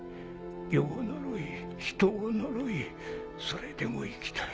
世を呪い人を呪いそれでも生きたい。